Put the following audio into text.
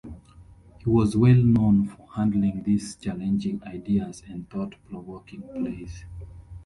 He was well known for handling these challenging ideas and thought-provoking plays.